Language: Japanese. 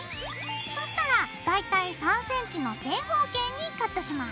そうしたら大体３ｃｍの正方形にカットします。